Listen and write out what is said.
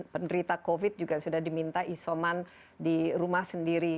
penderita covid juga sudah diminta isoman di rumah sendiri